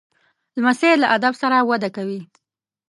لمسی له ادب سره وده کوي.